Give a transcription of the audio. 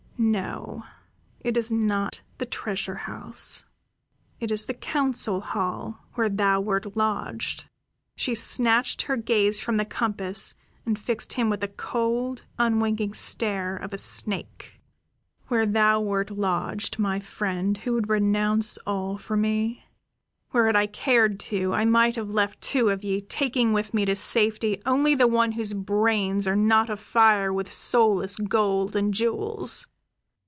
"No, it is not the treasure house. It is the council hall, where thou wert lodged." She snatched her gaze from the compass and fixed him with the cold, unwinking stare of a snake. "Where thou wert lodged, my friend who would renounce all for me. Where, had I cared to, I might have left two of ye, taking with me to safety only the one whose brains are not afire with soulless gold and jewels."